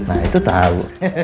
nah itu tahu